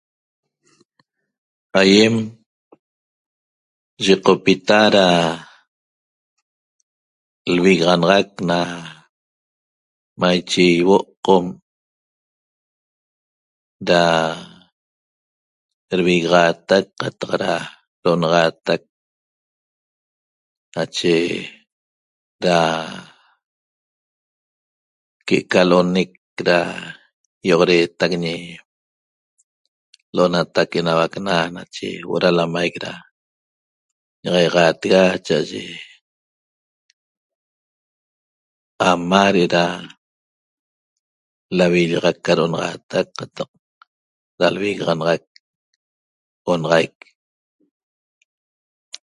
Aiem yecopita ra lvigaxanaxac na maiche ihuo' qom ra rvigaxatac qataq ra ro'onataxatac nache ra que'eca lo'onec ra ioxoretac ñi Lo'onatac Enauacna nache huo'o ra lamaic ñaiaxatega cha'aye ama re'era lavillaxac ca ro'onaxatac qataq ra rvigaxanaxac onaxaic